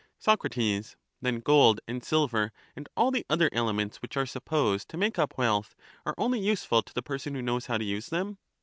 Soc. Then gold and silver and all the other elements which are supposed to make up wealth are only useful to the person who knows how to use them?